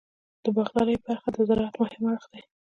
د باغدارۍ برخه د زراعت مهم اړخ دی.